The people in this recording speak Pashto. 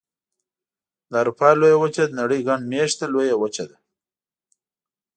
د اروپا لویه وچه د نړۍ ګڼ مېشته لویه وچه ده.